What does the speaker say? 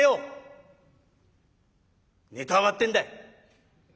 ネタは上がってんだい」。